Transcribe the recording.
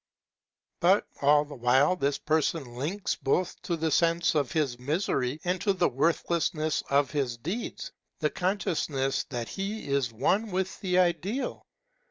But all the while this person links both to the sense of his misery and to the worthlessness of his deeds, the consciousness that he is one with the Ideal.